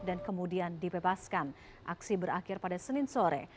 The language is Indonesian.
dan kemudian dibebaskan aksi berakhir pada senin sore